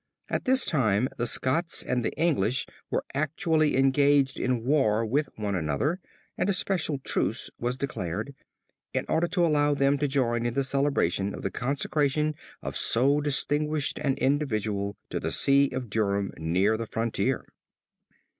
At this time the Scots and the English were actually engaged in war with one another and a special truce was declared, in order to allow them to join in the celebration of the consecration of so distinguished an individual to the See of Durham near the frontier.